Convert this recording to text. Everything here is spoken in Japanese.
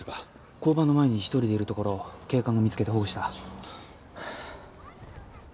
交番の前に１人でいるところを警官が見つけて保護した。